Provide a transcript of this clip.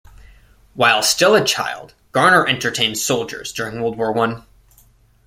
While still a child, Garner entertained soldiers during World War One.